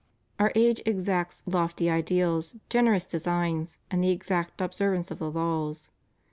Our age exacts lofty ideals, generous designs, and the exact observance of the laws.